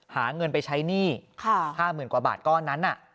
หาเงินไปใช้หนี้๕หมื่นกว่าบาทก้อนนั้นอ่ะ